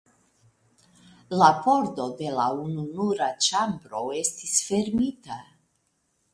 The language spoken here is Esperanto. La pordo de la ununura ĉambro estis fermita.